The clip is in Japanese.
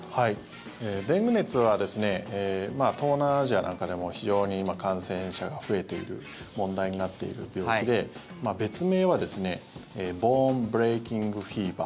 デング熱は東南アジアなんかでも非常に感染者が増えている問題になっている病気で別名は、ボーン・ブレーキング・フィーバー。